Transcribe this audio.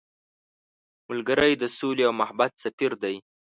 ملګری د سولې او محبت سفیر دی